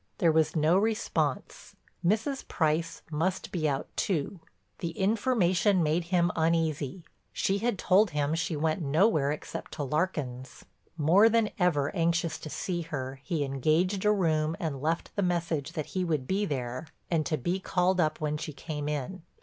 There was no response; Mrs. Price must be out too. The information made him uneasy; she had told him she went nowhere except to Larkin's. More than ever anxious to see her, he engaged a room and left the message that he would be there and to be called up when she came in.